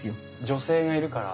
女性がいるから？